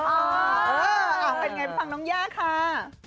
อ๋อเป็นอย่างไรฟังน้องย่าค่ะ